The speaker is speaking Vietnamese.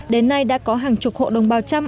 đến nay đã có hàng chục hộ đồng bào trăm